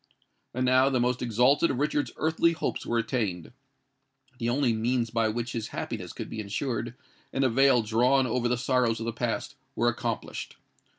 And now the most exalted of Richard's earthly hopes were attained;—the only means by which his happiness could be ensured, and a veil drawn over the sorrows of the past, were accomplished.